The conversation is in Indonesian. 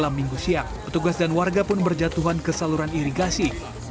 dalam minggu siang petugas dan warga pun berjatuhan ke saluran irigasi